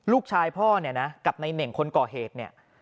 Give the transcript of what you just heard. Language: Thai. ลูกชายพ่อกับในเหน่งคนก่อเหตุ